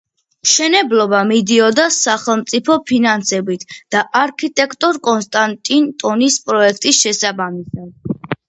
მშენებლობა მიდიოდა სახელმწიფო ფინანსებით და არქიტექტორ კონსტანტინ ტონის პროექტის შესაბამისად.